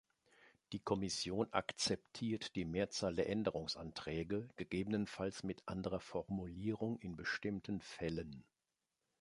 Die Kommission akzeptiert die Mehrzahl der Änderungsanträge, gegebenenfalls mit anderer Formulierung in bestimmten Fällen.